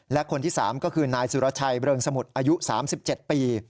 และคนที่๓ก็คือนายสุรชัยเริงสมุทรอายุ๓๗ปี